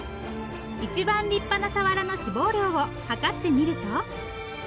一番立派なサワラの脂肪量をはかってみると。